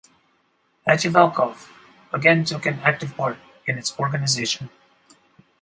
Hadjivalkov again took an active part in its organization.